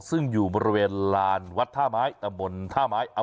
ซึ่งอยู่บริเวณลานวัดท่าไม้ตะบนท่าไม้